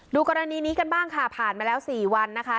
กรณีนี้กันบ้างค่ะผ่านมาแล้ว๔วันนะคะ